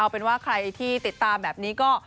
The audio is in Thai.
เป็นว่าใครที่ติดตามแบบนี้ก็